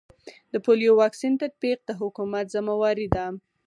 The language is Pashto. د پولیو واکسین تطبیق د حکومت ذمه واري ده